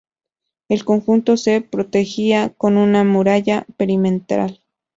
El conjunto se protegía con una muralla perimetral.